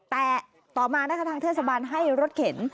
แต่ต่อมานะคะทางเทศบาลให้รถเข็น